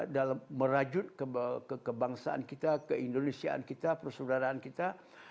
dalam merajut kebangsaan kita keindonesiaan kita persaudaraan kita